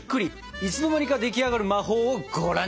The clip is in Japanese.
いつの間にか出来上がる魔法をご覧にいれましょう。